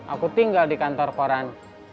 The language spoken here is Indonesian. aku tinggal di kantor koran